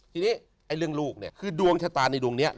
ทีนี้เรื่องลูกคือดวงชะตานในดวงนี้